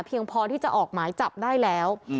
พอที่จะออกหมายจับได้แล้ว